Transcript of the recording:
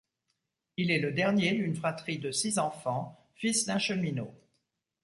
Il est le dernier d’une fratrie de six enfants, fils d'un cheminot.